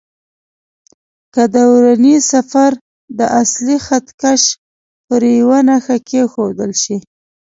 که د ورنيې صفر د اصلي خط کش پر یوه نښه کېښودل شي.